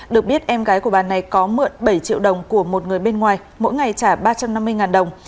được biết em gái của bà này có mượn bảy triệu đồng của một người bên ngoài mỗi ngày trả ba trăm năm mươi đồng